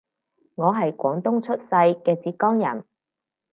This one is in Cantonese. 我係廣東出世嘅浙江人